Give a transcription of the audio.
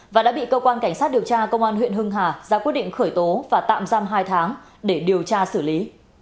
và đã bị cơ quan cảnh sát điều tra công an huyện hưng hà ra quyết định khởi tố và tạm giam hai tháng để điều tra xử lý